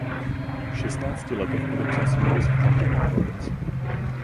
V šestnácti letech podepsal smlouvu s Atlantic Records.